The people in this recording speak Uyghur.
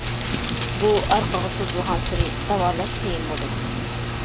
بۇ ئارقىغا سوزۇلغانسېرى داۋالاش قىيىن بولىدۇ.